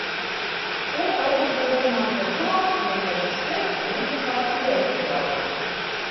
Ул ырғып урынынан торҙо ла, иҙәнгә төшкәс, бер-ике ҡат үрә һикереп алды.